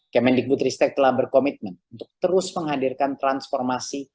kemendikbutristek telah berkomitmen untuk terus menghadirkan transformasi